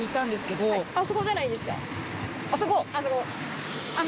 あそこ。